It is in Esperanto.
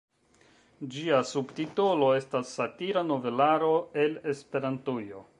Ĝia subtitolo estas "Satira novelaro el Esperantujo".